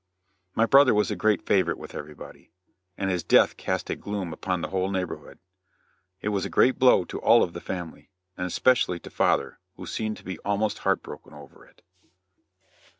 My brother was a great favorite with everybody, and his death cast a gloom upon the whole neighborhood. It was a great blow to all of the family, and especially to father who seemed to be almost heart broken over it.